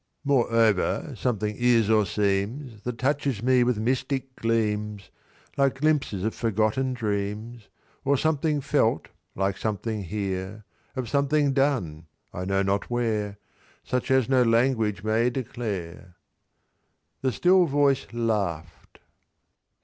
"Moreover, something is or seems, That touches me with mystic gleams, Like glimpses of forgotten dreams— "Of something felt, like something here; Of something done, I know not where; Such as no language may declare." The still voice laugh'd.